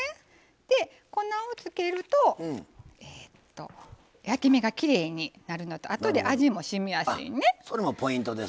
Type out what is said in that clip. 粉をつけると焼き目がきれいになるのとあとで味もしみやすいね。